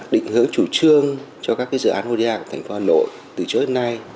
định hướng chủ trương cho các dự án oda của thành phố hà nội từ trước đến nay